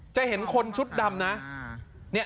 จะเห็นคนชุดดำนะ